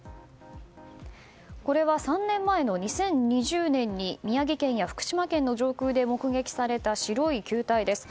これは３年前の２０２０年に宮城県や福島県の上空で目撃された白い球体です。